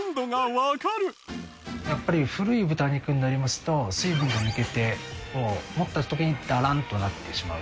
やっぱり古い豚肉になりますと水分が抜けて持った時にダランとなってしまう。